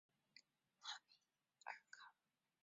迦太基政府被迫重新起用哈米尔卡。